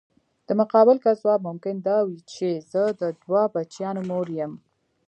د مقابل کس ځواب ممکن دا وي چې زه د دوه بچیانو مور یم.